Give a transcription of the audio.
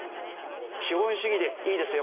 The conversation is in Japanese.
資本主義でいいですよ。